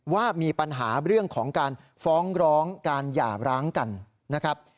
ว่ามีปัญหาเรื่องของการฟ้องร้องการหย่าร้างกันนะครับ